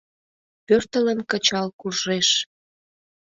Пӧртылын кычал куржеш.